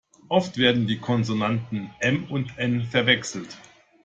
Oft werden die Konsonanten M und N verwechselt.